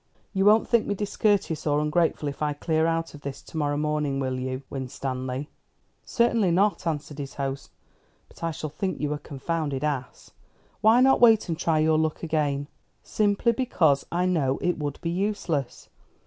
You won't think me discourteous or ungrateful if I clear out of this to morrow morning, will you, Winstanley?" "Certainly not," answered his host; "but I shall think you a confounded ass. Why not wait and try your luck again?" "Simply because I know it would be useless.